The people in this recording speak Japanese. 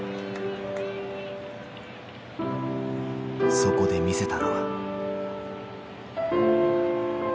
そこで見せたのは。